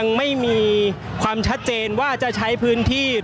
ก็น่าจะมีการเปิดทางให้รถพยาบาลเคลื่อนต่อไปนะครับ